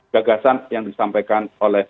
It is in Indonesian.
gagasan yang disampaikan oleh